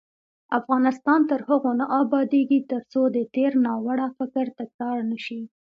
افغانستان تر هغو نه ابادیږي، ترڅو د تیر ناوړه فکر تکرار نشي.